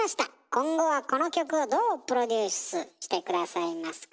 今後はこの曲をどうプロデュースして下さいますか？